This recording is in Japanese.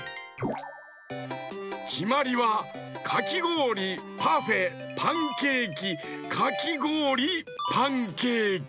きまりはかきごおりパフェパンケーキかきごおりパンケーキ。